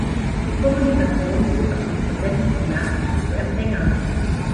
Die Kommunikation beruht auf dem Versenden von Nachrichten zu Empfängern.